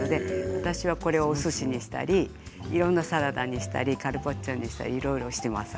私はこれを、おすしにしたりいろんなサラダにしたりカルパッチョにしたりいろいろしています。